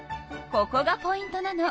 ここがポイントなの。